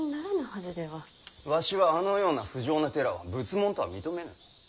わしはあのような不浄な寺を仏門とは認めぬ。